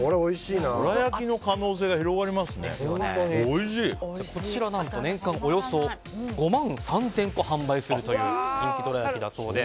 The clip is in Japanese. どら焼きの可能性がこちら何と年間およそ５万３０００個販売するという人気どら焼きだそうで。